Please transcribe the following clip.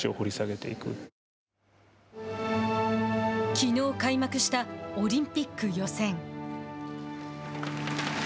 きのう開幕したオリンピック予選。